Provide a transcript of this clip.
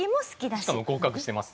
しかも合格してます。